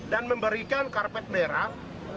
dan memberikan karpet merah